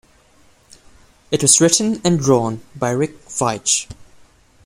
It was written and drawn by Rick Veitch.